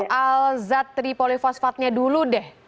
nah kita mulai dari tripolifosfatnya dulu deh